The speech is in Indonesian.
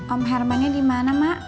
om hermannya di mana mak